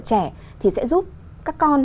trẻ thì sẽ giúp các con